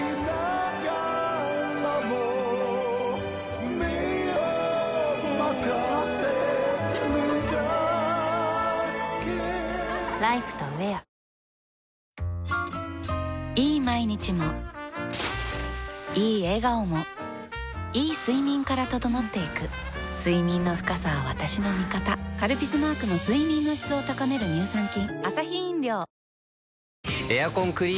トーンアップ出たいい毎日もいい笑顔もいい睡眠から整っていく睡眠の深さは私の味方「カルピス」マークの睡眠の質を高める乳酸菌